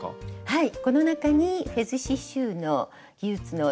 はい。